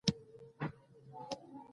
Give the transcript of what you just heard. راځئ، د ژمي له را رسېدو سره سم،